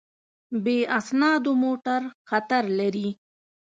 بې اسنادو موټر خطر لري.